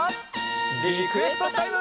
リクエストタイム！